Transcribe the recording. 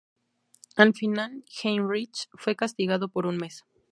Al final, Heinrich fue castigado por un mes.